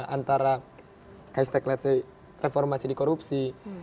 antara hashtag let's say reformasi di korupsi